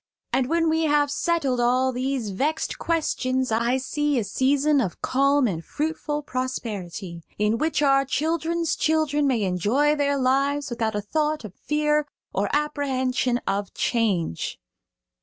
And when we have settled all these vexed questions I see a season of calm and fruitful prosperity, in which our children's children may enjoy their lives without a thought of fear or apprehension of change."